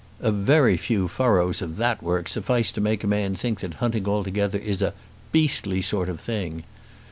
A very few furrows of that work suffice to make a man think that hunting altogether is a "beastly sort of thing."